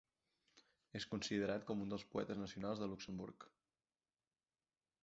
És considerat com un dels poetes nacionals de Luxemburg.